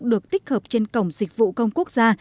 được tích hợp trên cổng dịch vụ công quốc gia